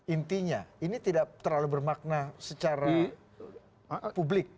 intinya ini tidak terlalu bermakna secara publik